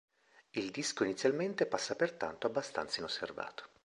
Il disco inizialmente passa pertanto abbastanza inosservato.